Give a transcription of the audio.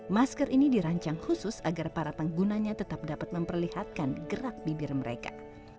masker ini dirancang khusus agar para penggunanya tetap dapat memperlihatkan gerak bibir mereka